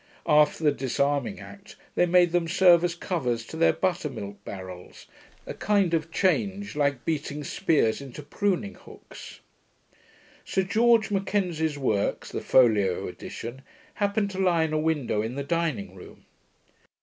After the disarming act, they made them serve as covers to their butter milk barrels; a kind of change, like beating spears into pruning hooks. Sir George Mackenzie's Works (the folio edition) happened to lie in a window in the dining room.